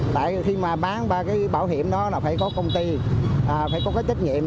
tại khi mà bán ba cái bảo hiểm đó là phải có công ty phải có cái trách nhiệm